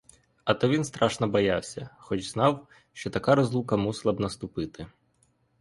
А то він страшно боявся, хоч знав, що така розлука мусила б наступити.